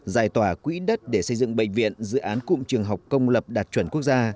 giải tỏa quỹ đất để xây dựng bệnh viện dự án cụm trường học công lập đạt chuẩn quốc gia